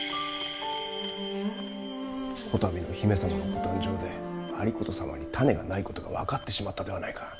こたびの姫様のご誕生で有功様に胤がないことが分かってしまったではないか。